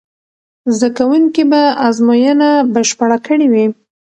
زده کوونکي به ازموینه بشپړه کړې وي.